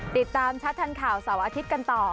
ติดตามชัดทันข่าวเสาร์อาทิตย์กันต่อ